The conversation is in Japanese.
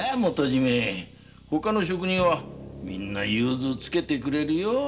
ほかの職人はみんな融通をつけてくれるよ